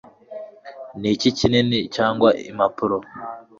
Niki Kinini Cyangwa Impapuro